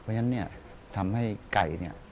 เพราะฉะนั้นเนี่ยทำให้ไก่เนี่ย